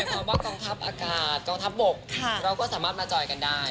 ความว่ากองทัพอากาศกองทัพบกเราก็สามารถมาจอยกันได้